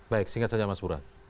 baik singkat saja mas bura